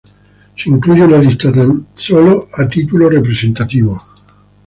Se incluye una lista tan solo a título representativo.